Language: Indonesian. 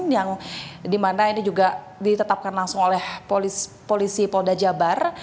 yang dimana ini juga ditetapkan langsung oleh polisi polda jabar